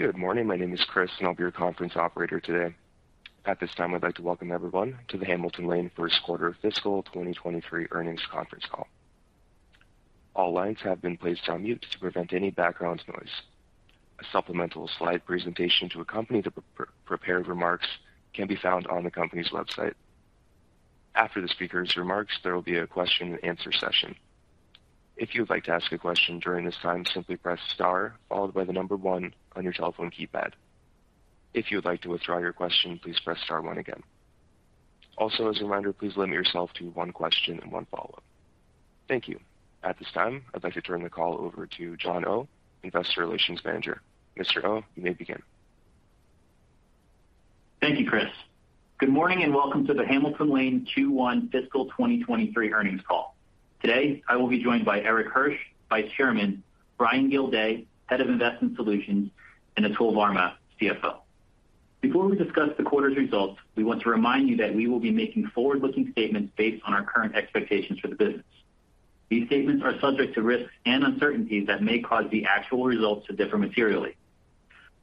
Good morning. My name is Chris, and I'll be your conference operator today. At this time, I'd like to welcome everyone to the Hamilton Lane first quarter fiscal 2023 earnings conference call. All lines have been placed on mute to prevent any background noise. A supplemental slide presentation to accompany the prepared remarks can be found on the company's website. After the speaker's remarks, there will be a question and answer session. If you would like to ask a question during this time, simply press star followed by the number one on your telephone keypad. If you would like to withdraw your question, please press star one again. Also, as a reminder, please limit yourself to one question and one follow-up. Thank you. At this time, I'd like to turn the call over to John Oh, Investor Relations Manager. Mr. Oh, you may begin. Thank you, Chris. Good morning and welcome to the Hamilton Lane Q1 fiscal 2023 earnings call. Today, I will be joined by Erik Hirsch, Vice Chairman, Brian Gildea, Head of Investment Solutions, and Atul Varma, CFO. Before we discuss the quarter's results, we want to remind you that we will be making forward-looking statements based on our current expectations for the business. These statements are subject to risks and uncertainties that may cause the actual results to differ materially.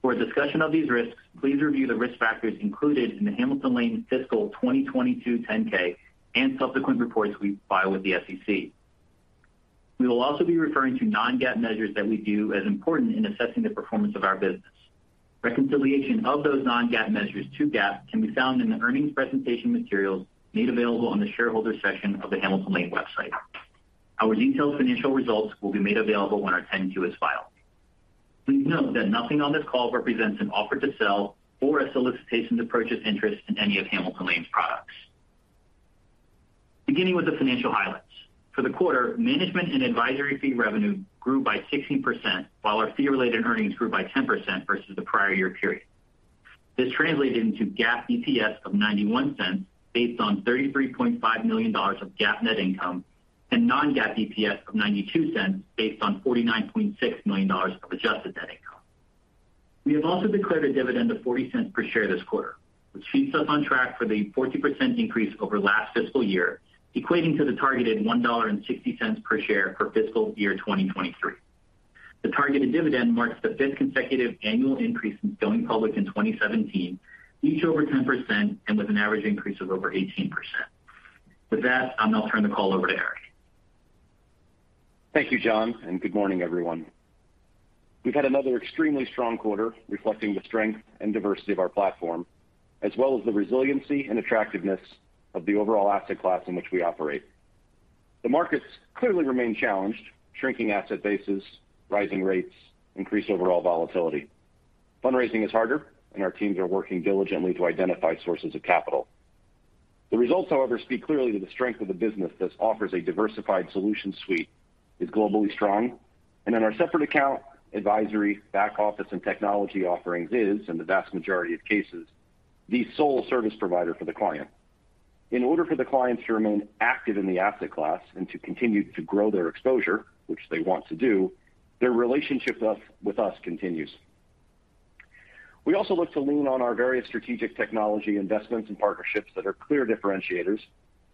For a discussion of these risks, please review the risk factors included in the Hamilton Lane fiscal 2022 10-K and subsequent reports we file with the SEC. We will also be referring to non-GAAP measures that we view as important in assessing the performance of our business. Reconciliation of those non-GAAP measures to GAAP can be found in the earnings presentation materials made available on the shareholder section of the Hamilton Lane website. Our detailed financial results will be made available when our 10-Q is filed. Please note that nothing on this call represents an offer to sell or a solicitation to purchase interest in any of Hamilton Lane's products. Beginning with the financial highlights. For the quarter, management and advisory fee revenue grew by 16%, while our fee-related earnings grew by 10% versus the prior year period. This translated into GAAP EPS of $0.91 based on $33.5 million of GAAP net income and non-GAAP EPS of $0.92 based on $49.6 million of adjusted net income. We have also declared a dividend of $0.40 per share this quarter, which keeps us on track for the 40% increase over last fiscal year, equating to the targeted $1.60 per share for fiscal year 2023. The targeted dividend marks the fifth consecutive annual increase since going public in 2017, each over 10% and with an average increase of over 18%. With that, I'll now turn the call over to Erik. Thank you, John, and good morning, everyone. We've had another extremely strong quarter reflecting the strength and diversity of our platform, as well as the resiliency and attractiveness of the overall asset class in which we operate. The markets clearly remain challenged, shrinking asset bases, rising rates, increased overall volatility. Fundraising is harder and our teams are working diligently to identify sources of capital. The results, however, speak clearly to the strength of the business that offers a diversified solution suite, is globally strong, and in our separate account, advisory, back office, and technology offerings is, in the vast majority of cases, the sole service provider for the client. In order for the clients to remain active in the asset class and to continue to grow their exposure, which they want to do, their relationship with us continues. We also look to lean on our various strategic technology investments and partnerships that are clear differentiators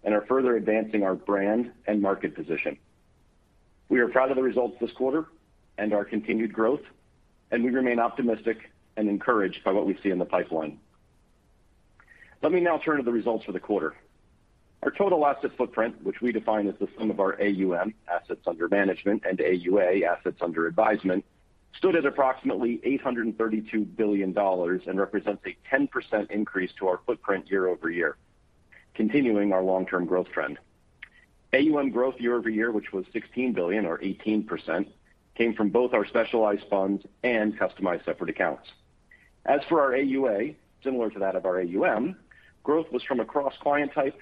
and are further advancing our brand and market position. We are proud of the results this quarter and our continued growth, and we remain optimistic and encouraged by what we see in the pipeline. Let me now turn to the results for the quarter. Our total asset footprint, which we define as the sum of our AUM, Assets Under Management, and AUA, Assets Under Advisement, stood at approximately $832 billion and represents a 10% increase to our footprint year-over-year, continuing our long-term growth trend. AUM growth year-over-year, which was $16 billion or 18%, came from both our Specialized Funds and Customized Separate Accounts. As for our AUA, similar to that of our AUM, growth was from across client type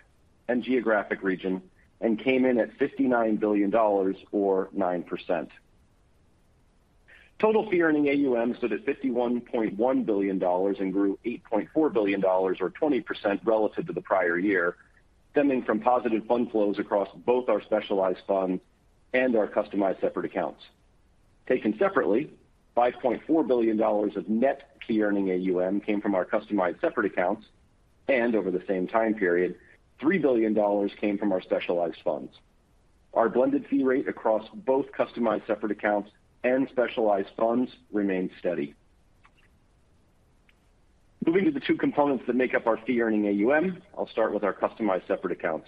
and geographic region and came in at $59 billion or 9%. Total fee-earning AUM stood at $51.1 billion and grew $8.4 billion or 20% relative to the prior year, stemming from positive fund flows across both our Specialized Funds and our Customized Separate Accounts. Taken separately, $5.4 billion of net fee-earning AUM came from our Customized Separate Accounts, and over the same time period, $3 billion came from our Specialized Funds. Our blended fee rate across both Customized Separate Accounts and Specialized Funds remained steady. Moving to the two components that make up our fee-earning AUM, I'll start with our Customized Separate Accounts.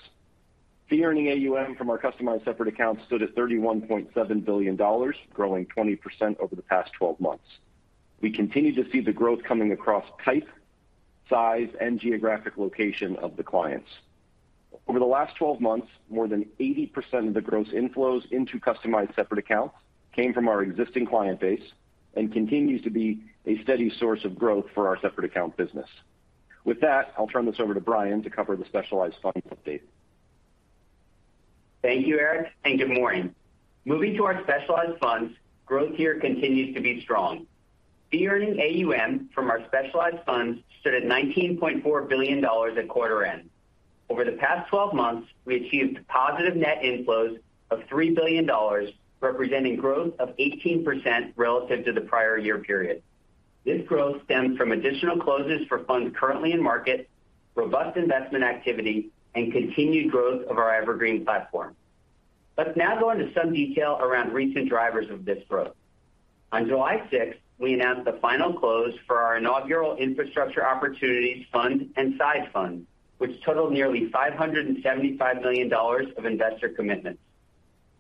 Fee-earning AUM from our Customized Separate Accounts stood at $31.7 billion, growing 20% over the past 12 months. We continue to see the growth coming across type, size, and geographic location of the clients. Over the last 12 months, more than 80% of the gross inflows into Customized Separate Accounts came from our existing client base and continues to be a steady source of growth for our Separate Account business. With that, I'll turn this over to Brian to cover the Specialized Fund update. Thank you, Erik, and good morning. Moving to our Specialized Funds, growth here continues to be strong. Fee-earning AUM from our Specialized Funds stood at $19.4 billion at quarter end. Over the past 12 months, we achieved positive net inflows of $3 billion, representing growth of 18% relative to the prior year period. This growth stems from additional closes for funds currently in market, robust investment activity, and continued growth of our Evergreen platform. Let's now go into some detail around recent drivers of this growth. On July 6, we announced the final close for our inaugural Infrastructure Opportunities Fund and side fund, which totaled nearly $575 million of investor commitments.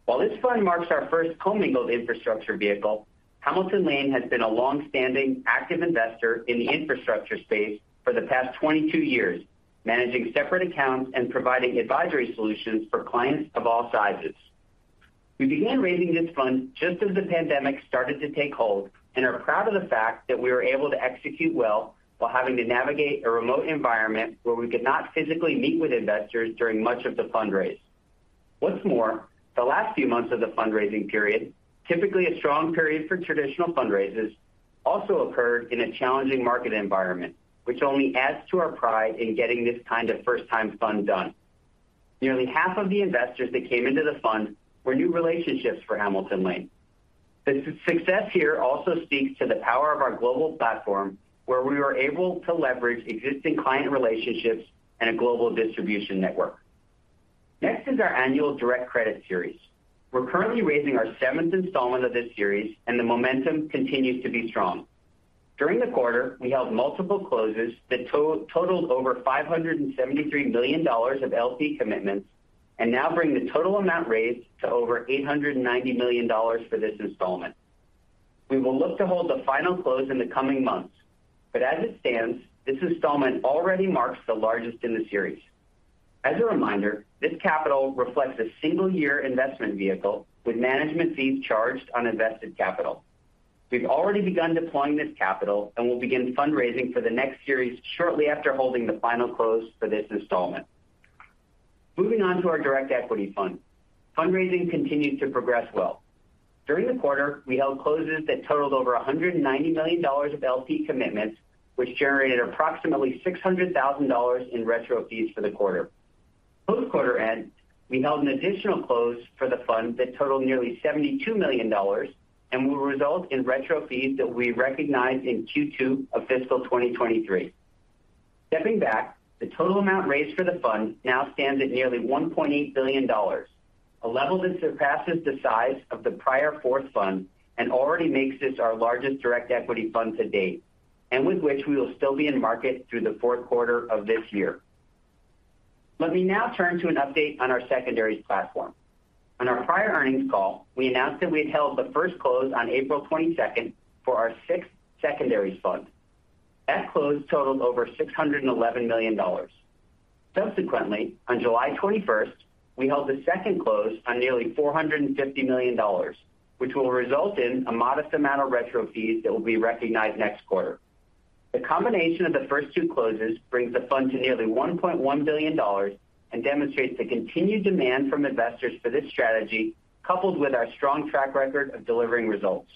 While this fund marks our first commingled infrastructure vehicle, Hamilton Lane has been a long-standing active investor in the infrastructure space for the past 22 years, managing separate accounts and providing advisory solutions for clients of all sizes. We began raising this fund just as the pandemic started to take hold and are proud of the fact that we were able to execute well while having to navigate a remote environment where we could not physically meet with investors during much of the fundraise. What's more, the last few months of the fundraising period, typically a strong period for traditional fundraisers, also occurred in a challenging market environment, which only adds to our pride in getting this kind of first-time fund done. Nearly half of the investors that came into the fund were new relationships for Hamilton Lane. The success here also speaks to the power of our global platform, where we were able to leverage existing client relationships and a global distribution network. Next is our annual direct credit series. We're currently raising our seventh installment of this series, and the momentum continues to be strong. During the quarter, we held multiple closes that totaled over $573 million of LP commitments, and now bring the total amount raised to over $890 million for this installment. We will look to hold the final close in the coming months, but as it stands, this installment already marks the largest in the series. As a reminder, this capital reflects a single year investment vehicle with management fees charged on invested capital. We've already begun deploying this capital and will begin fundraising for the next series shortly after holding the final close for this installment. Moving on to our Direct Equity Fund. Fundraising continued to progress well. During the quarter, we held closes that totaled over $190 million of LP commitments, which generated approximately $600,000 in retro fees for the quarter. Post-quarter end, we held an additional close for the fund that totaled nearly $72 million and will result in retro fees that we recognize in Q2 of fiscal 2023. Stepping back, the total amount raised for the fund now stands at nearly $1.8 billion, a level that surpasses the size of the prior fourth fund and already makes this our largest Direct Equity Fund to date, and with which we will still be in market through the fourth quarter of this year. Let me now turn to an update on our secondaries platform. On our prior earnings call, we announced that we had held the first close on April 22nd for our sixth secondaries fund. That close totaled over $611 million. Subsequently, on July 21st, we held a second close on nearly $450 million, which will result in a modest amount of retro fees that will be recognized next quarter. The combination of the first two closes brings the fund to nearly $1.1 billion and demonstrates the continued demand from investors for this strategy, coupled with our strong track record of delivering results.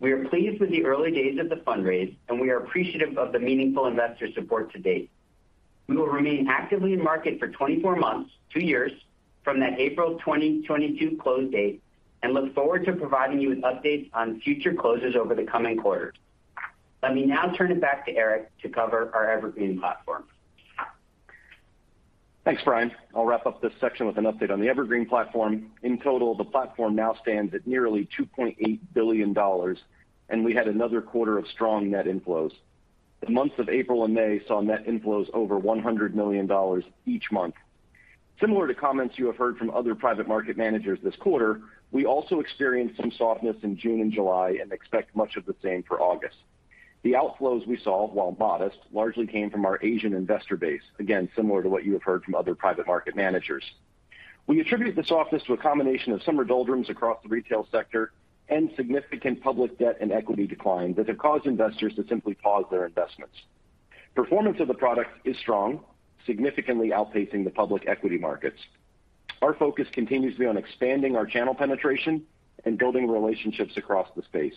We are pleased with the early days of the fundraise, and we are appreciative of the meaningful investor support to date. We will remain actively in market for 24 months, two years, from that April 2022 close date, and look forward to providing you with updates on future closes over the coming quarters. Let me now turn it back to Erik to cover our Evergreen platform. Thanks, Brian. I'll wrap up this section with an update on the Evergreen platform. In total, the platform now stands at nearly $2.8 billion, and we had another quarter of strong net inflows. The months of April and May saw net inflows over $100 million each month. Similar to comments you have heard from other private market managers this quarter, we also experienced some softness in June and July and expect much of the same for August. The outflows we saw, while modest, largely came from our Asian investor base, again, similar to what you have heard from other private market managers. We attribute this softness to a combination of summer doldrums across the retail sector and significant public debt and equity decline that have caused investors to simply pause their investments. Performance of the product is strong, significantly outpacing the public equity markets. Our focus continues to be on expanding our channel penetration and building relationships across the space.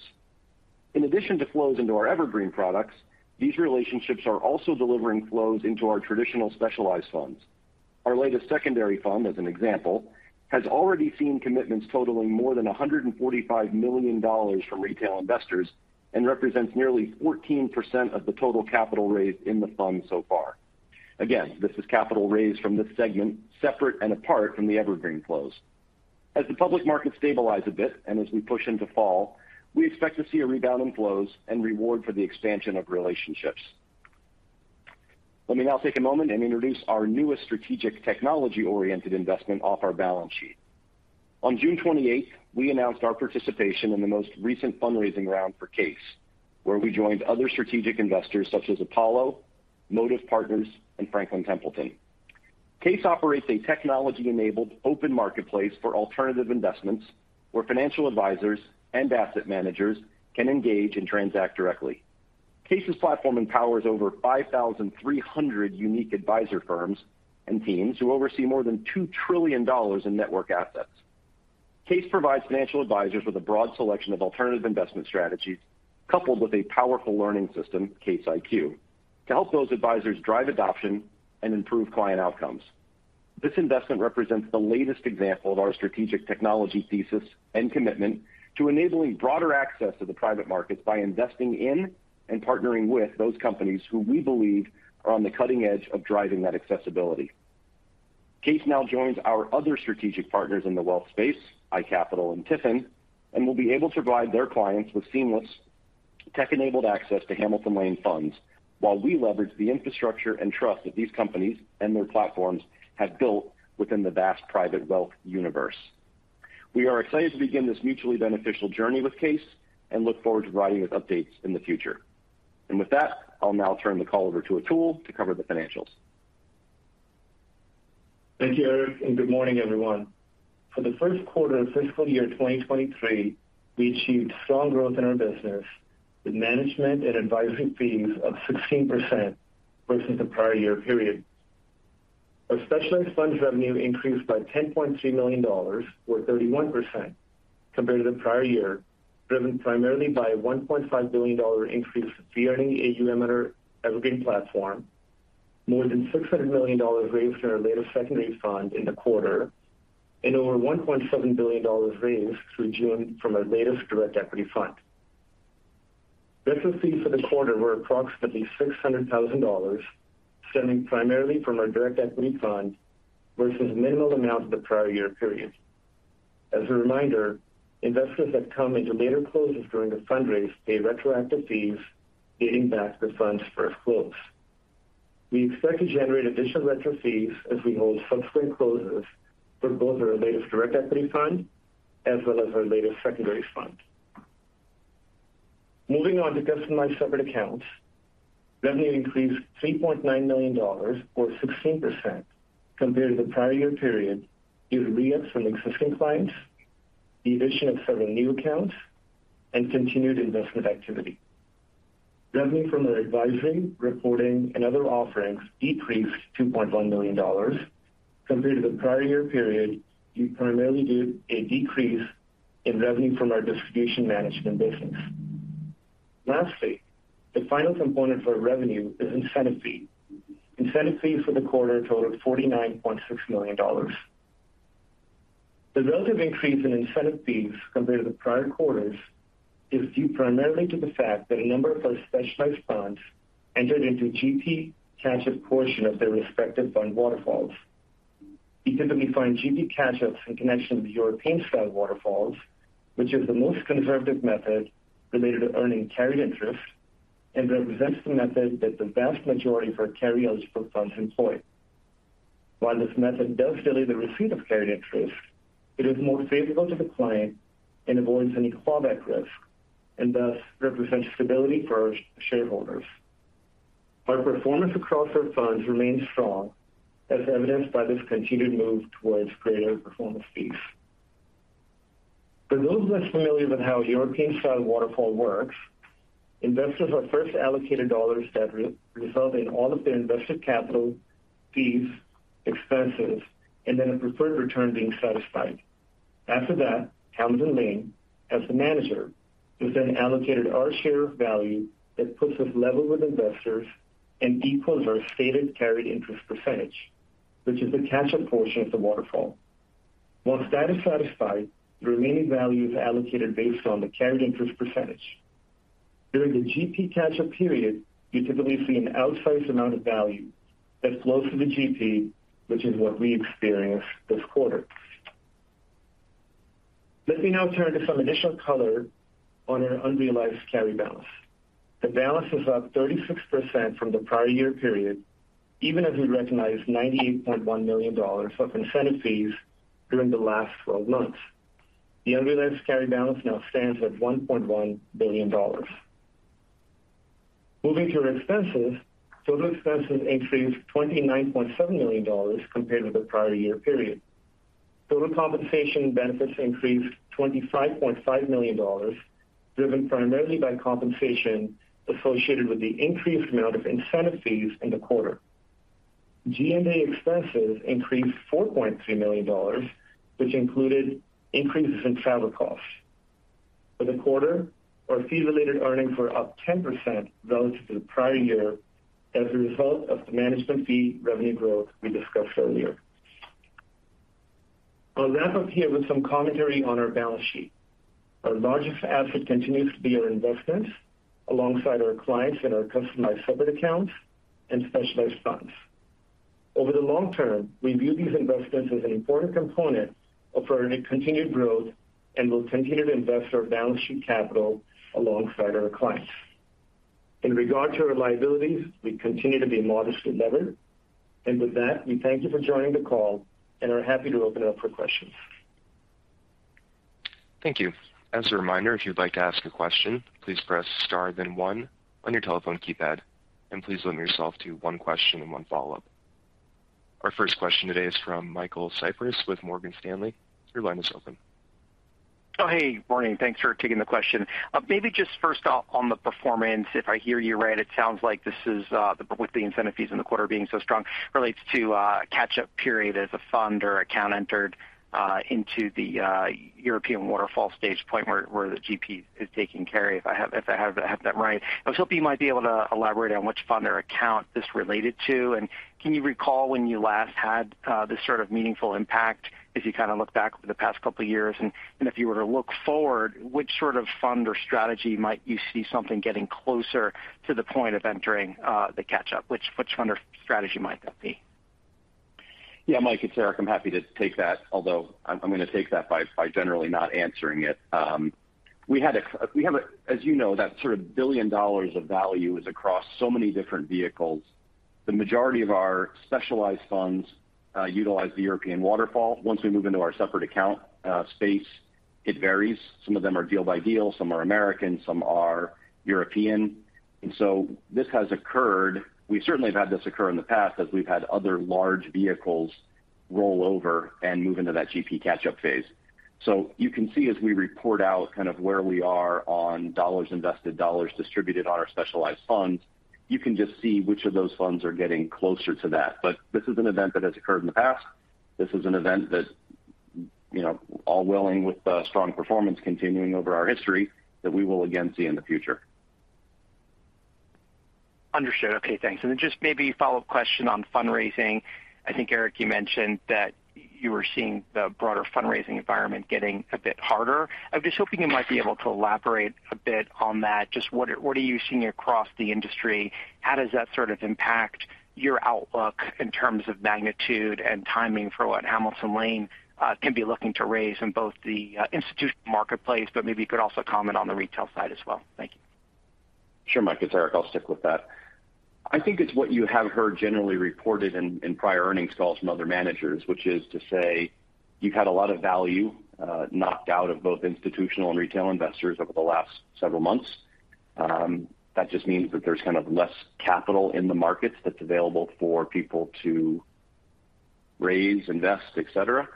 In addition to flows into our Evergreen products, these relationships are also delivering flows into our traditional Specialized Funds. Our latest secondary fund, as an example, has already seen commitments totaling more than $145 million from retail investors and represents nearly 14% of the total capital raised in the fund so far. Again, this is capital raised from this segment separate and apart from the Evergreen flows. As the public markets stabilize a bit, and as we push into fall, we expect to see a rebound in flows and reward for the expansion of relationships. Let me now take a moment and introduce our newest strategic technology-oriented investment off our balance sheet. On June 28, we announced our participation in the most recent fundraising round for CAIS, where we joined other strategic investors such as Apollo, Motive Partners, and Franklin Templeton. CAIS operates a technology-enabled open marketplace for alternative investments where financial advisors and asset managers can engage and transact directly. CAIS's platform empowers over 5,300 unique advisor firms and teams who oversee more than $2 trillion in network assets. CAIS provides financial advisors with a broad selection of alternative investment strategies coupled with a powerful learning system, CAIS IQ, to help those advisors drive adoption and improve client outcomes. This investment represents the latest example of our strategic technology thesis and commitment to enabling broader access to the private markets by investing in and partnering with those companies who we believe are on the cutting edge of driving that accessibility. CAIS now joins our other strategic partners in the wealth space, iCapital and TIFIN, and will be able to provide their clients with seamless tech-enabled access to Hamilton Lane funds while we leverage the infrastructure and trust that these companies and their platforms have built within the vast private wealth universe. We are excited to begin this mutually beneficial journey with CAIS and look forward to providing you with updates in the future. With that, I'll now turn the call over to Atul to cover the financials. Thank you, Erik, and good morning, everyone. For the first quarter of fiscal year 2023, we achieved strong growth in our business with management and advisory fees of 16% versus the prior year period. Our Specialized Funds revenue increased by $10.3 million or 31% compared to the prior year, driven primarily by $1.5 billion increase fee-earning AUM on our aggregate platform, more than $600 million raised in our latest secondary fund in the quarter, and over $1.7 billion raised through June from our latest Direct Equity Fund. Business fees for the quarter were approximately $600,000, stemming primarily from our Direct Equity Fund versus minimal amounts of the prior year period. As a reminder, investors that come into later closes during a fundraise pay retroactive fees dating back to the fund's first close. We expect to generate additional retro fees as we hold subsequent closes for both our latest Direct Equity Fund as well as our latest secondary fund. Moving on to Customized Separate Accounts, revenue increased $3.9 million or 16% compared to the prior year period due to re-ups from existing clients, the addition of seven new accounts, and continued investment activity. Revenue from our advisory, reporting, and other offerings decreased $2.1 million compared to the prior year period due primarily to a decrease in revenue from our distribution management business. Lastly, the final component for revenue is incentive fee. Incentive fees for the quarter totaled $49.6 million. The relative increase in incentive fees compared to the prior quarters is due primarily to the fact that a number of our Specialized Funds entered into GP catch-up portion of their respective fund waterfalls. You typically find GP catch-ups in connection with European-style waterfalls, which is the most conservative method related to earning carried interest and represents the method that the vast majority of our carry eligible funds employ. While this method does delay the receipt of carried interest, it is more favorable to the client and avoids any clawback risk and thus represents stability for our shareholders. Our performance across our funds remains strong as evidenced by this continued move towards greater performance fees. For those less familiar with how a European-style waterfall works, investors are first allocated dollars that result in all of their invested capital, fees, expenses, and then a preferred return being satisfied. After that, Hamilton Lane, as the manager, is then allocated our share of value that puts us level with investors and equals our stated carried interest percentage, which is the catch-up portion of the waterfall. Once that is satisfied, the remaining value is allocated based on the carried interest percentage. During the GP catch-up period, you typically see an outsized amount of value that flows to the GP, which is what we experienced this quarter. Let me now turn to some additional color on our unrealized carry balance. The balance is up 36% from the prior year period, even as we recognized $98.1 million of incentive fees during the last twelve months. The unrealized carry balance now stands at $1.1 billion. Moving to our expenses, total expenses increased $29.7 million compared to the prior year period. Total compensation benefits increased $25.5 million, driven primarily by compensation associated with the increased amount of incentive fees in the quarter. G&A expenses increased $4.3 million, which included increases in travel costs. For the quarter, our fee-related earnings were up 10% relative to the prior year as a result of the management fee revenue growth we discussed earlier. I'll wrap up here with some commentary on our balance sheet. Our largest asset continues to be our investments alongside our clients in our Customized Separate Accounts and Specialized Funds. Over the long-term, we view these investments as an important component of our continued growth and will continue to invest our balance sheet capital alongside our clients. In regard to our liabilities, we continue to be modestly levered. With that, we thank you for joining the call and are happy to open it up for questions. Thank you. As a reminder, if you'd like to ask a question, please press star then one on your telephone keypad, and please limit yourself to one question and one follow-up. Our first question today is from Michael Cyprys with Morgan Stanley. Your line is open. Oh, hey. Morning. Thanks for taking the question. Maybe just first off on the performance, if I hear you right, it sounds like this is with the incentive fees in the quarter being so strong relates to a catch-up period as a fund or account entered into the European waterfall stage point where the GP is taking carry, if I have that right. I was hoping you might be able to elaborate on which fund or account this related to. Can you recall when you last had this sort of meaningful impact as you kind of look back over the past couple of years? If you were to look forward, which sort of fund or strategy might you see something getting closer to the point of entering the catch-up? Which fund or strategy might that be? Yeah, Mike, it's Erik. I'm happy to take that, although I'm gonna take that by generally not answering it. We have a—as you know, that sort of $1 billion of value is across so many different vehicles. The majority of our Specialized Funds utilize the European waterfall. Once we move into our separate account space, it varies. Some of them are deal by deal, some are American, some are European. This has occurred. We certainly have had this occur in the past as we've had other large vehicles roll over and move into that GP catch-up phase. You can see as we report out kind of where we are on dollars invested, dollars distributed on our Specialized Funds, you can just see which of those funds are getting closer to that. This is an event that has occurred in the past. This is an event that, you know, God willing, with strong performance continuing over our history, that we will again see in the future. Understood. Okay, thanks. Just maybe a follow-up question on fundraising. I think, Erik, you mentioned that you were seeing the broader fundraising environment getting a bit harder. I'm just hoping you might be able to elaborate a bit on that. Just what are you seeing across the industry? How does that sort of impact your outlook in terms of magnitude and timing for what Hamilton Lane can be looking to raise in both the institutional marketplace, but maybe you could also comment on the retail side as well. Thank you. Sure, Mike, it's Erik. I'll stick with that. I think it's what you have heard generally reported in prior earnings calls from other managers, which is to say you've had a lot of value knocked out of both institutional and retail investors over the last several months. That just means that there's kind of less capital in the markets that's available for people to raise, invest, et cetera.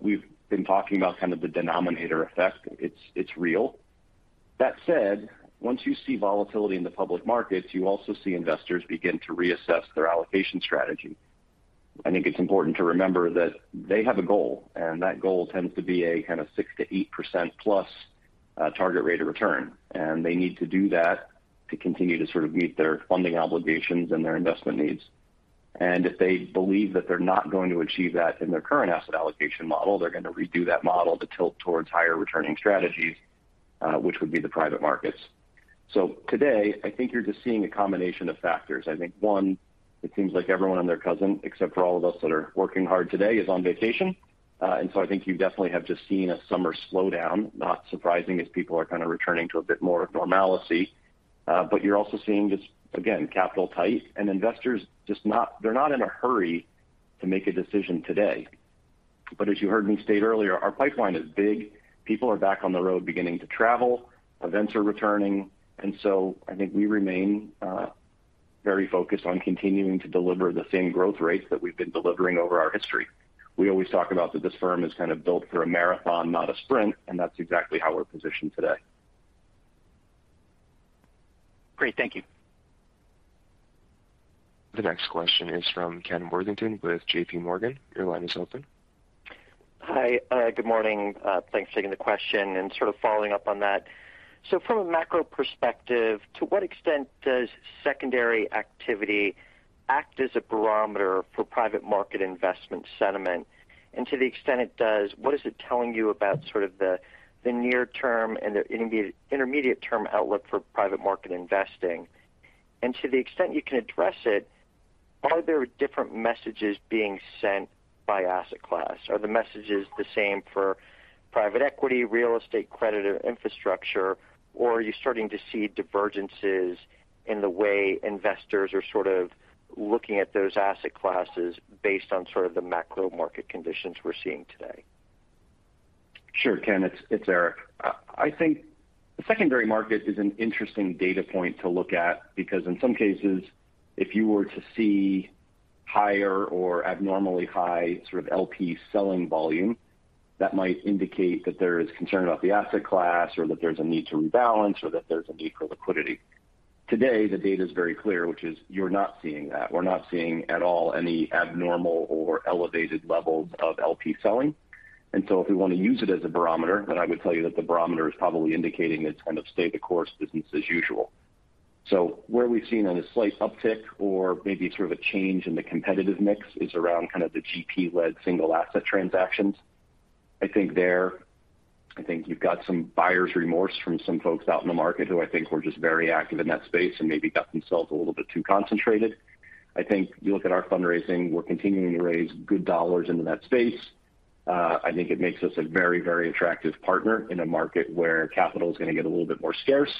We've been talking about kind of the denominator effect. It's real. That said, once you see volatility in the public markets, you also see investors begin to reassess their allocation strategy. I think it's important to remember that they have a goal, and that goal tends to be a kind of 6% to 8%+ target rate of return, and they need to do that to continue to sort of meet their funding obligations and their investment needs. If they believe that they're not going to achieve that in their current asset allocation model, they're gonna redo that model to tilt towards higher returning strategies, which would be the private markets. Today, I think you're just seeing a combination of factors. I think, one, it seems like everyone and their cousin, except for all of us that are working hard today, is on vacation. I think you definitely have just seen a summer slowdown, not surprising as people are kind of returning to a bit more normalcy. You're also seeing just, again, capital tight and investors just not in a hurry to make a decision today. As you heard me state earlier, our pipeline is big. People are back on the road beginning to travel, events are returning, I think we remain very focused on continuing to deliver the same growth rates that we've been delivering over our history. We always talk about that this firm is kind of built for a marathon, not a sprint, and that's exactly how we're positioned today. Great. Thank you. The next question is from Ken Worthington with JPMorgan. Your line is open. Hi, good morning. Thanks for taking the question, and sort of following up on that. From a macro perspective, to what extent does secondary activity act as a barometer for private market investment sentiment? And to the extent it does, what is it telling you about sort of the near-term and the intermediate term outlook for private market investing? And to the extent you can address it, are there different messages being sent by asset class? Are the messages the same for private equity, real estate credit, or infrastructure, or are you starting to see divergences in the way investors are sort of looking at those asset classes based on sort of the macro market conditions we're seeing today? Sure. Ken, it's Erik. I think the secondary market is an interesting data point to look at because in some cases, if you were to see higher or abnormally high sort of LP selling volume, that might indicate that there is concern about the asset class or that there's a need to rebalance or that there's a need for liquidity. Today, the data is very clear, which is you're not seeing that. We're not seeing at all any abnormal or elevated levels of LP selling. If we wanna use it as a barometer, then I would tell you that the barometer is probably indicating it's kind of stay the course, business as usual. Where we've seen a slight uptick or maybe sort of a change in the competitive mix is around kind of the GP-led single asset transactions. I think you've got some buyer's remorse from some folks out in the market who I think were just very active in that space and maybe got themselves a little bit too concentrated. I think you look at our fundraising, we're continuing to raise good dollars into that space. I think it makes us a very, very attractive partner in a market where capital is gonna get a little bit more scarce.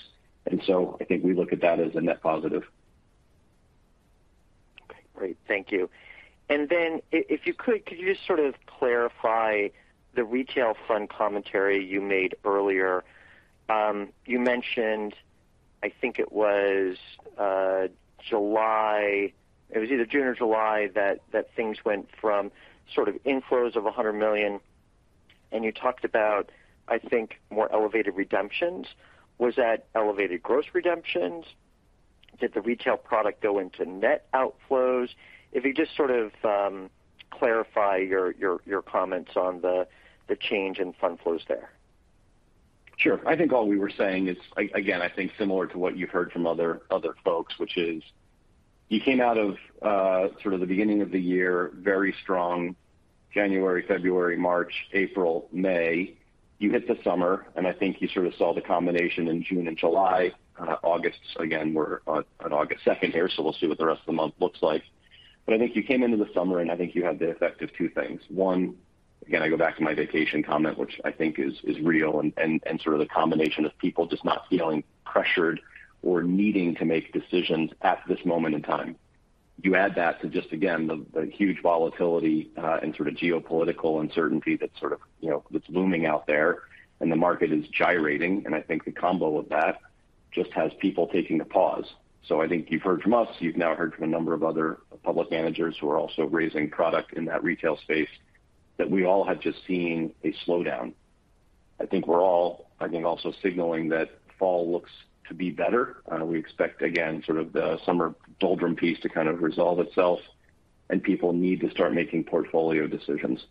I think we look at that as a net positive. Okay, great. Thank you. If you could you just sort of clarify the retail fund commentary you made earlier? You mentioned, I think it was July. It was either June or July that things went from sort of inflows of $100 million, and you talked about, I think, more elevated redemptions. Was that elevated gross redemptions? Did the retail product go into net outflows? If you just sort of clarify your comments on the change in fund flows there. Sure. I think all we were saying is, again, I think similar to what you've heard from other folks, which is you came out of, sort of the beginning of the year, very strong. January, February, March, April, May, you hit the summer, and I think you sort of saw the combination in June and July. August, again, we're on August second here, so we'll see what the rest of the month looks like. I think you came into the summer, and I think you had the effect of two things. One, again, I go back to my vacation comment, which I think is real and sort of the combination of people just not feeling pressured or needing to make decisions at this moment in time. You add that to just again the huge volatility, and sort of geopolitical uncertainty that's sort of, you know, that's looming out there, and the market is gyrating. I think the combo of that just has people taking a pause. I think you've heard from us, you've now heard from a number of other public managers who are also raising product in that retail space that we all have just seen a slowdown. I think we're all also signaling that fall looks to be better. We expect again, sort of the summer doldrums piece to kind of resolve itself, and people need to start making portfolio decisions.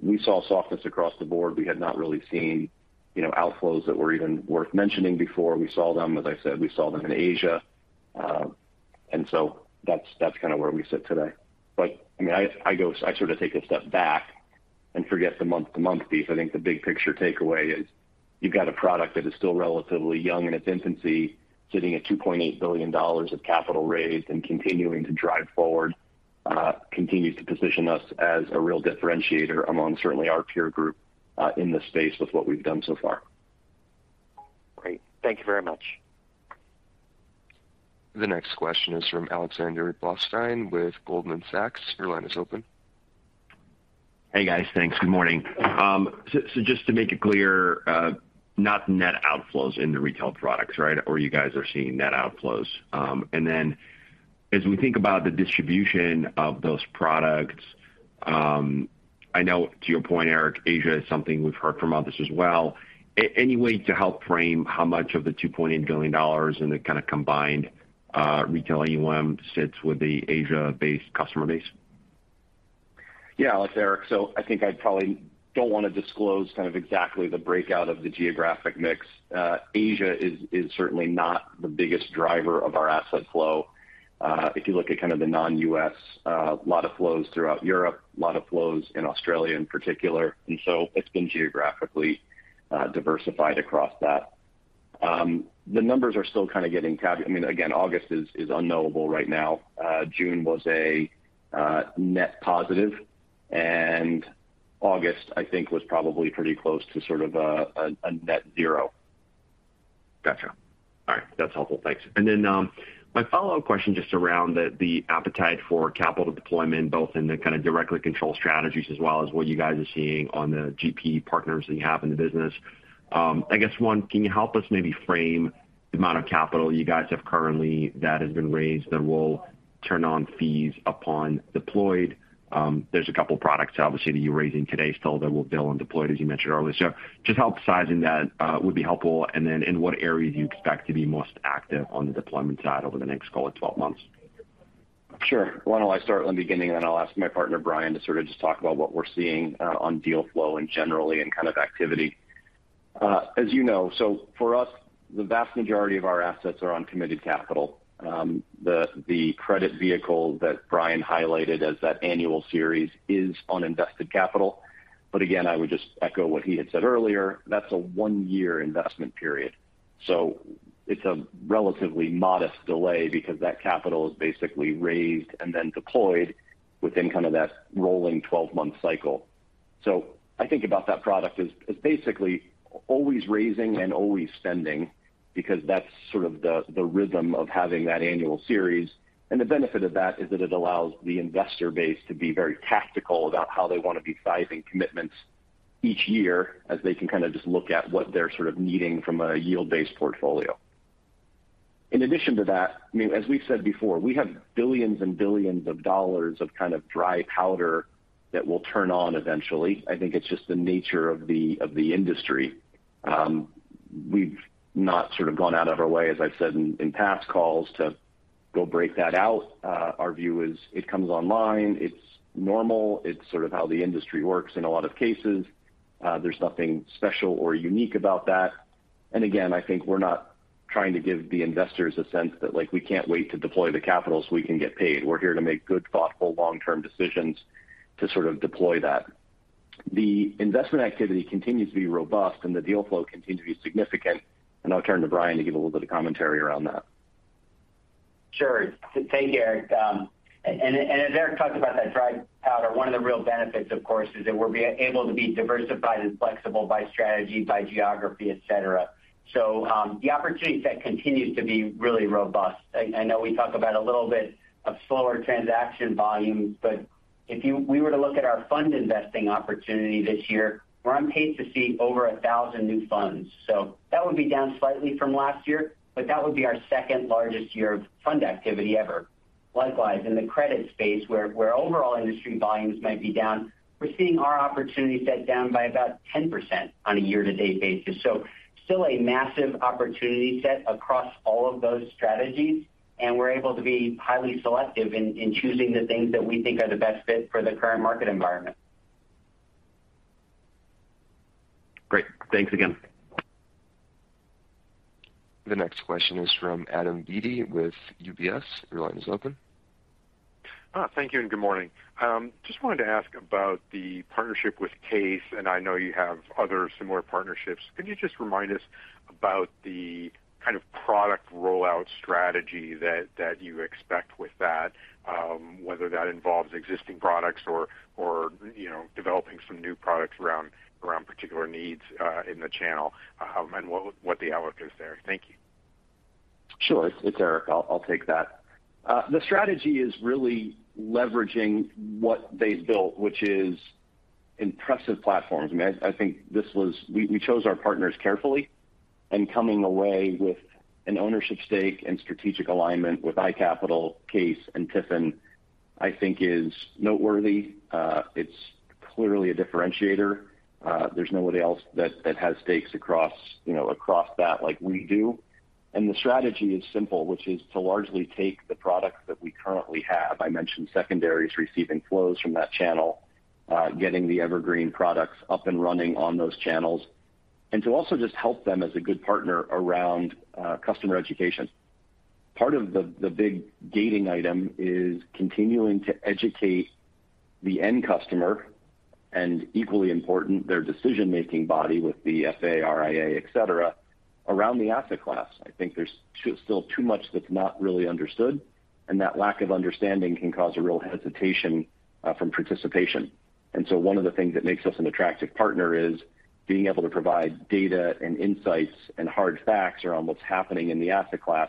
We saw softness across the board. We had not really seen, you know, outflows that were even worth mentioning before. We saw them, as I said, we saw them in Asia. That's kind of where we sit today. I mean, I sort of take a step back and forget the month-to-month piece. I think the big picture takeaway is you've got a product that is still relatively young in its infancy, sitting at $2.8 billion of capital raised and continuing to drive forward, continues to position us as a real differentiator among certainly our peer group in this space with what we've done so far. Great. Thank you very much. The next question is from Alexander Blostein with Goldman Sachs. Your line is open. Hey, guys. Thanks. Good morning. So just to make it clear, not net outflows in the retail products, right, or you guys are seeing net outflows? As we think about the distribution of those products, I know to your point, Erik, Asia is something we've heard from others as well. Any way to help frame how much of the $2.8 billion in the kind of combined retail AUM sits with the Asia-based customer base? Yeah, Alex, it's Erik. I think I probably don't want to disclose kind of exactly the breakdown of the geographic mix. Asia is certainly not the biggest driver of our asset flow. If you look at kind of the non-U.S., lot of flows throughout Europe, lot of flows in Australia in particular, and so it's been geographically diversified across that. The numbers are still kind of getting counted. I mean, again, August is unknowable right now. June was a net positive, and August, I think, was probably pretty close to sort of a net zero. Gotcha. All right. That's helpful. Thanks. My follow-up question just around the appetite for capital deployment, both in the kind of directly controlled strategies as well as what you guys are seeing on the GP partners that you have in the business. I guess, one, can you help us maybe frame the amount of capital you guys have currently that has been raised that will turn on fees upon deployed? There's a couple products obviously that you're raising today still that will bill on deployed, as you mentioned earlier. Just help sizing that, would be helpful. In what areas you expect to be most active on the deployment side over the next call it 12 months? Sure. Why don't I start in the beginning, then I'll ask my partner Brian to sort of just talk about what we're seeing on deal flow and generally and kind of activity. As you know, for us, the vast majority of our assets are on committed capital. The credit vehicle that Brian highlighted as that annual series is on invested capital. Again, I would just echo what he had said earlier. That's a one-year investment period. It's a relatively modest delay because that capital is basically raised and then deployed within kind of that rolling 12-month cycle. I think about that product as basically always raising and always spending, because that's sort of the rhythm of having that annual series. The benefit of that is that it allows the investor base to be very tactical about how they want to be sizing commitments each year, as they can kind of just look at what they're sort of needing from a yield-based portfolio. In addition to that, I mean, as we've said before, we have billions and billions of dollars of kind of dry powder that will turn on eventually. I think it's just the nature of the industry. We've not sort of gone out of our way, as I've said in past calls, to go break that out. Our view is it comes online, it's normal, it's sort of how the industry works in a lot of cases. There's nothing special or unique about that. Again, I think we're not trying to give the investors a sense that, like, we can't wait to deploy the capital so we can get paid. We're here to make good, thoughtful, long-term decisions to sort of deploy that. The investment activity continues to be robust and the deal flow continues to be significant, and I'll turn to Brian to give a little bit of commentary around that. Sure. Thank you, Erik. As Erik talked about that dry powder, one of the real benefits, of course, is that we're able to be diversified and flexible by strategy, by geography, et cetera. The opportunity set continues to be really robust. I know we talk about a little bit of slower transaction volumes, but we were to look at our fund investing opportunity this year, we're on pace to see over 1,000 new funds. That would be down slightly from last year, but that would be our second largest year of fund activity ever. Likewise, in the credit space, where overall industry volumes might be down, we're seeing our opportunity set down by about 10% on a year-to-date basis. Still a massive opportunity set across all of those strategies, and we're able to be highly selective in choosing the things that we think are the best fit for the current market environment. Great. Thanks again. The next question is from Adam Beatty with UBS. Your line is open. Thank you and good morning. Just wanted to ask about the partnership with CAIS, and I know you have other similar partnerships. Can you just remind us about the kind of product rollout strategy that you expect with that? Whether that involves existing products or, you know, developing some new products around particular needs in the channel. What the outlook is there? Thank you. Sure. It's Erik. I'll take that. The strategy is really leveraging what they've built, which is impressive platforms. I mean, I think we chose our partners carefully and coming away with an ownership stake and strategic alignment with iCapital, CAIS, and TIFIN, I think is noteworthy. It's clearly a differentiator. There's nobody else that has stakes across, you know, across that like we do. The strategy is simple, which is to largely take the products that we currently have. I mentioned secondaries receiving flows from that channel, getting the evergreen products up and running on those channels, and to also just help them as a good partner around customer education. Part of the big gating item is continuing to educate the end customer and equally important, their decision-making body with the FA, RIA, et cetera, around the asset class. I think there's still too much that's not really understood, and that lack of understanding can cause a real hesitation from participation. One of the things that makes us an attractive partner is being able to provide data and insights and hard facts around what's happening in the asset class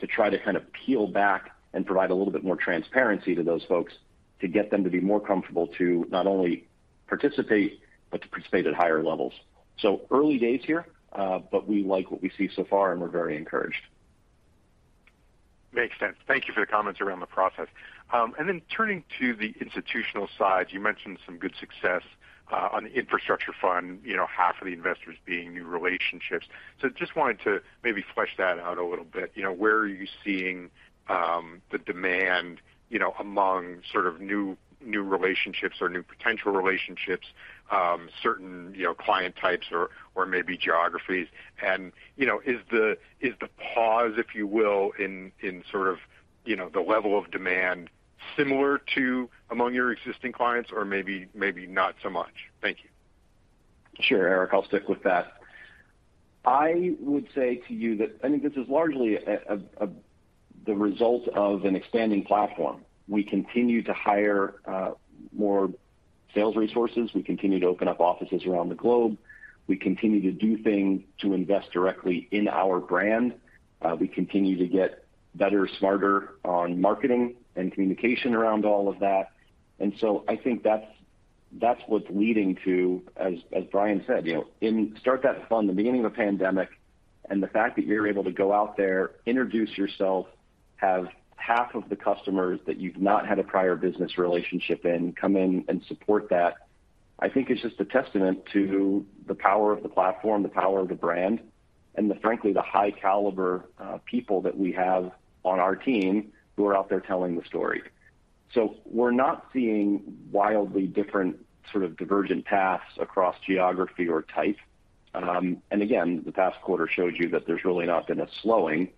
to try to kind of peel back and provide a little bit more transparency to those folks to get them to be more comfortable to not only participate, but to participate at higher levels. Early days here, but we like what we see so far, and we're very encouraged. Makes sense. Thank you for the comments around the process. Then turning to the institutional side, you mentioned some good success on the infrastructure fund, you know, half of the investors being new relationships. Just wanted to maybe flesh that out a little bit. You know, where are you seeing the demand, you know, among sort of new relationships or new potential relationships, certain, you know, client types or maybe geographies? You know, is the pause, if you will, in sort of, you know, the level of demand similar to among your existing clients or maybe not so much? Thank you. Sure, Erik, I'll stick with that. I would say to you that I think this is largely the result of an expanding platform. We continue to hire more sales resources. We continue to open up offices around the globe. We continue to do things to invest directly in our brand. We continue to get better, smarter on marketing and communication around all of that. I think that's what's leading to, as Brian said, you know, in starting that fund, the beginning of a pandemic, and the fact that you're able to go out there, introduce yourself, have half of the customers that you've not had a prior business relationship with come in and support that, I think is just a testament to the power of the platform, the power of the brand, and frankly the high caliber people that we have on our team who are out there telling the story. We're not seeing wildly different sort of divergent paths across geography or type. And again, the past quarter shows you that there's really not been a slowing.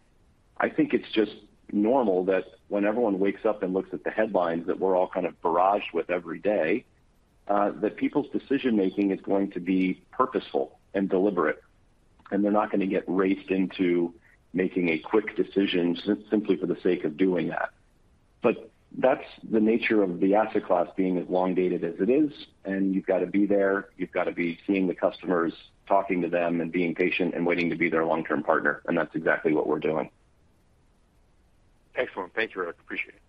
I think it's just normal that when everyone wakes up and looks at the headlines that we're all kind of barraged with every day, that people's decision-making is going to be purposeful and deliberate, and they're not gonna get raced into making a quick decision simply for the sake of doing that. That's the nature of the asset class being as long dated as it is, and you've got to be there, you've got to be seeing the customers, talking to them, and being patient, and waiting to be their long-term partner. That's exactly what we're doing. Excellent. Thank you, Erik. Appreciate it.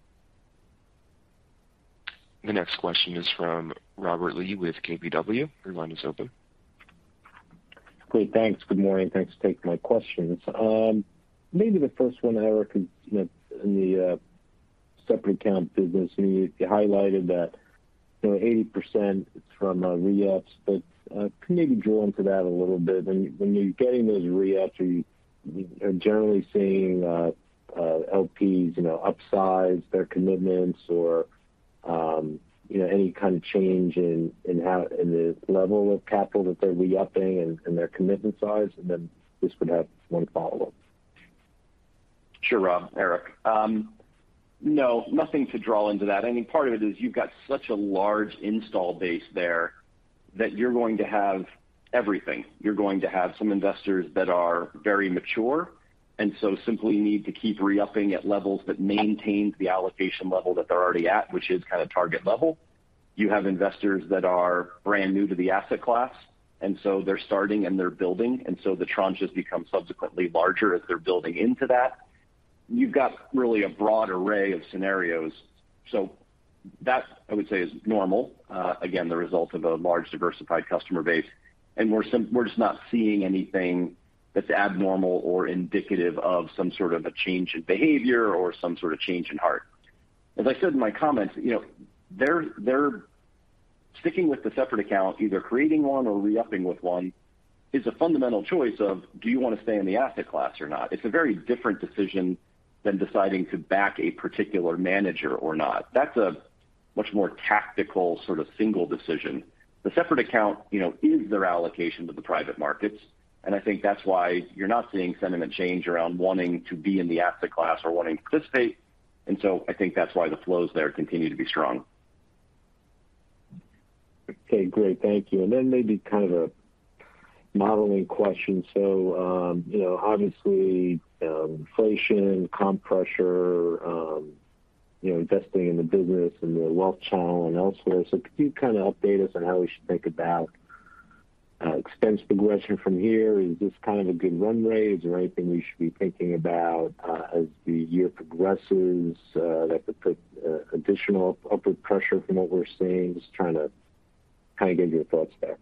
The next question is from Robert Lee with KBW. Your line is open. Great. Thanks. Good morning. Thanks for taking my questions. Maybe the first one, Erik, is, you know, in the separate account business. I mean, you highlighted that, you know, 80% is from re-ups, but can you maybe drill into that a little bit? When you're getting those re-ups, are you generally seeing LPs, you know, upsize their commitments or, you know, any kind of change in the level of capital that they're re-upping and their commitment size? Then just would have one follow-up. Sure, Rob. Erik. No, nothing to read into that. I think part of it is you've got such a large installed base there that you're going to have everything. You're going to have some investors that are very mature and so simply need to keep re-upping at levels that maintain the allocation level that they're already at, which is kind of target level. You have investors that are brand new to the asset class, and so they're starting and they're building, and so the tranches become subsequently larger as they're building into that. You've got really a broad array of scenarios. So that, I would say, is normal. Again, the result of a large diversified customer base. We're just not seeing anything that's abnormal or indicative of some sort of a change in behavior or some sort of change of heart. As I said in my comments, you know, they're sticking with the separate account, either creating one or re-upping with one is a fundamental choice of, do you wanna stay in the asset class or not? It's a very different decision than deciding to back a particular manager or not. That's a much more tactical sort of single decision. The separate account, you know, is their allocation to the private markets, and I think that's why you're not seeing sentiment change around wanting to be in the asset class or wanting to participate. I think that's why the flows there continue to be strong. Okay, great. Thank you. Maybe kind of a modeling question. You know, obviously, inflation, comp pressure, you know, investing in the business and the wealth channel and elsewhere. Could you kind of update us on how we should think about expense progression from here? Is this kind of a good run rate? Is there anything we should be thinking about as the year progresses that could put additional upward pressure from what we're seeing? Just trying to kind of get your thoughts there.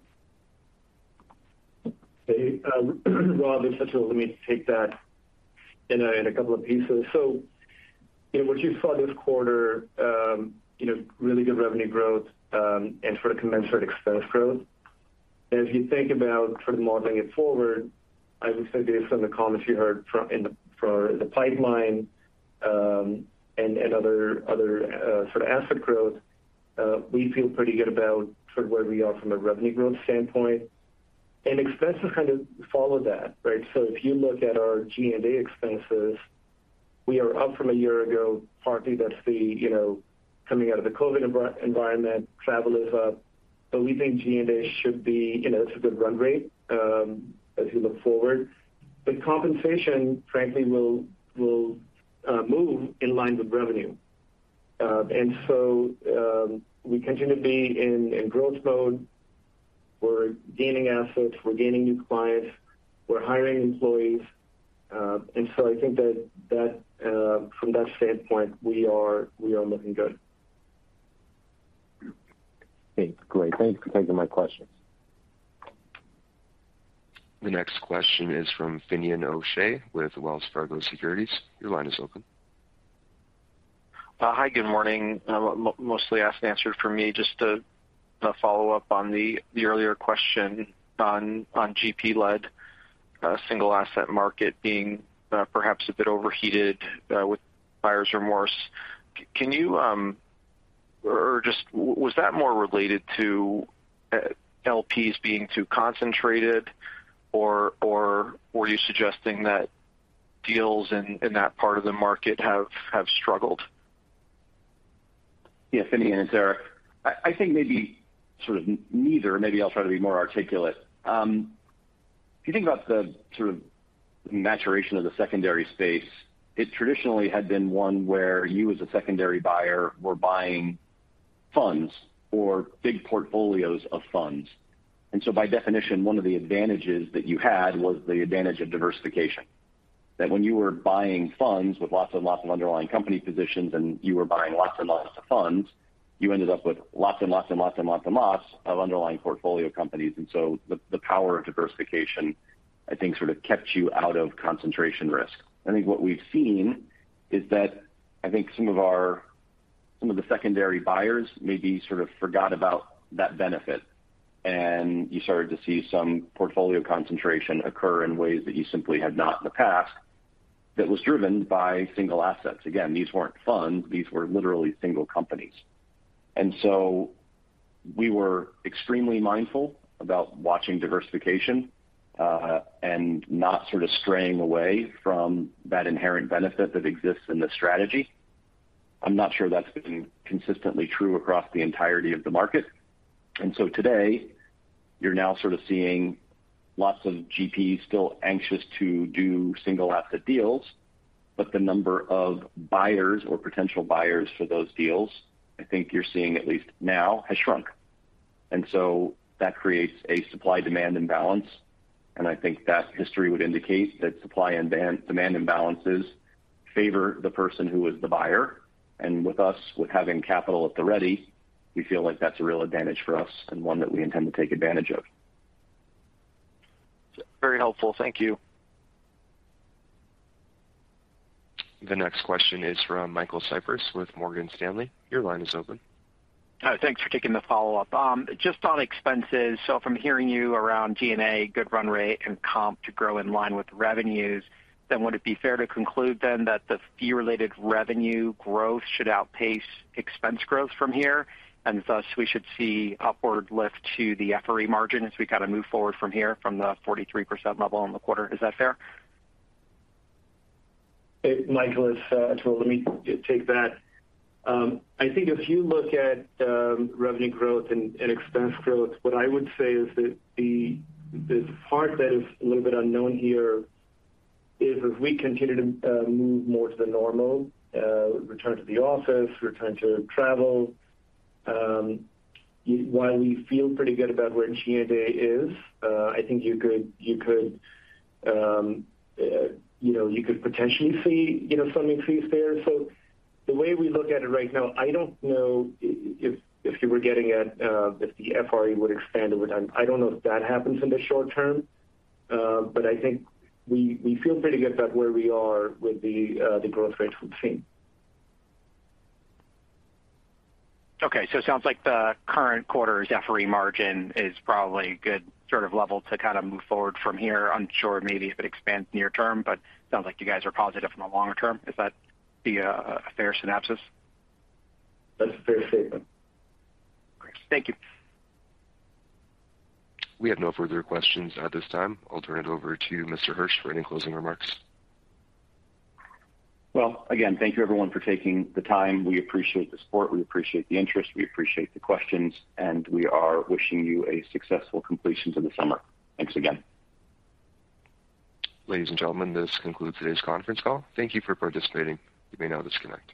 Hey, Rob, it's Atul. Let me take that in a couple of pieces. You know, what you saw this quarter, you know, really good revenue growth, and for a commensurate expense growth. If you think about sort of modeling it forward, I would say based on the comments you heard from the pipeline, and other sort of asset growth, we feel pretty good about sort of where we are from a revenue growth standpoint. Expenses kind of follow that, right? If you look at our G&A expenses, we are up from a year ago, partly that's the, you know, coming out of the COVID environment, travel is up. We think G&A should be, you know, it's a good run rate, as we look forward. Compensation, frankly, will move in line with revenue. We continue to be in growth mode. We're gaining assets. We're gaining new clients. We're hiring employees. I think that from that standpoint, we are looking good. Okay, great. Thank you. Those are my questions. The next question is from Finian O'Shea with Wells Fargo Securities. Your line is open. Hi, good morning. Mostly asked and answered for me, just a follow-up on the earlier question on GP-led single asset market being perhaps a bit overheated with buyer's remorse. Can you, or just was that more related to LPs being too concentrated or were you suggesting that deals in that part of the market have struggled? Yeah, Finian, it's Erik. I think maybe sort of neither. Maybe I'll try to be more articulate. If you think about the sort of maturation of the secondary space, it traditionally had been one where you as a secondary buyer were buying funds or big portfolios of funds. By definition, one of the advantages that you had was the advantage of diversification. That when you were buying funds with lots and lots of underlying company positions and you were buying lots and lots of funds, you ended up with lots and lots and lots and lots and lots of underlying portfolio companies. The power of diversification, I think, sort of kept you out of concentration risk. I think what we've seen is that some of the secondary buyers maybe sort of forgot about that benefit. You started to see some portfolio concentration occur in ways that you simply had not in the past that was driven by single assets. Again, these weren't funds, these were literally single companies. We were extremely mindful about watching diversification, and not sort of straying away from that inherent benefit that exists in the strategy. I'm not sure that's been consistently true across the entirety of the market. Today, you're now sort of seeing lots of GPs still anxious to do single asset deals, but the number of buyers or potential buyers for those deals, I think you're seeing at least now has shrunk. That creates a supply-demand imbalance, and I think that history would indicate that supply and demand imbalances favor the person who is the buyer. With us, with having capital at the ready, we feel like that's a real advantage for us and one that we intend to take advantage of. Very helpful. Thank you. The next question is from Michael Cyprys with Morgan Stanley. Your line is open. Thanks for taking the follow-up. Just on expenses. If I'm hearing you around G&A, good run rate, and comp to grow in line with revenues, then would it be fair to conclude then that the fee-related revenue growth should outpace expense growth from here, and thus we should see upward lift to the FRE margin as we kind of move forward from here from the 43% level in the quarter? Is that fair? Hey, Michael, it's Atul. Let me take that. I think if you look at revenue growth and expense growth, what I would say is that the part that is a little bit unknown here is as we continue to move more to the normal return to the office, return to travel, while we feel pretty good about where G&A is. I think you could, you know, potentially see, you know, some increase there. The way we look at it right now, I don't know if you were getting at if the FRE would expand or would. I don't know if that happens in the short-term. I think we feel pretty good about where we are with the growth rates we've seen. Okay. It sounds like the current quarter's FRE margin is probably a good sort of level to kind of move forward from here. Unsure maybe if it expands near-term, but sounds like you guys are positive from a longer-term. Is that a fair synopsis? That's a fair statement. Great. Thank you. We have no further questions at this time. I'll turn it over to Mr. Hirsch for any closing remarks. Well, again, thank you everyone for taking the time. We appreciate the support. We appreciate the interest. We appreciate the questions, and we are wishing you a successful completion to the summer. Thanks again. Ladies and gentlemen, this concludes today's conference call. Thank you for participating. You may now disconnect.